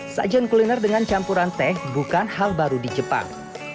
sajian kuliner dengan campuran teh bukan hal baru di jepang